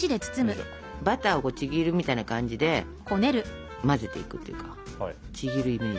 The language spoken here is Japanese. バターをちぎるみたいな感じで混ぜていくというかちぎるイメージで。